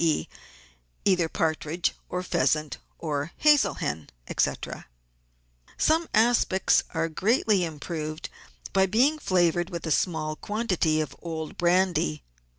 e., either partridge or pheasant, or hazel hen, &c. Some aspics are greatly improved by being flavoured with a small quantity of old brandy.